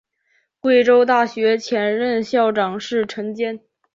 贵州大学前任校长是陈坚。